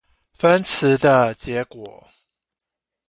分詞的結果